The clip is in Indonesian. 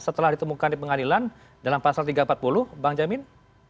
setelah ditemukan di pengadilan dalam pasal tiga ratus empat puluh bang jamin